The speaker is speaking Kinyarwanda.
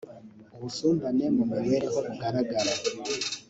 ubusumbane mu mibereho bugaragara